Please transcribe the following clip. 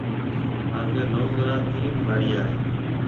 ڪاڪيَ لونگ را تين ٻاݪيا هيَ۔